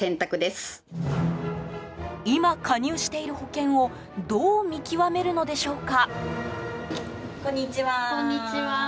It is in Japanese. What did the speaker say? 今、加入している保険をどう見極めるのでしょうか。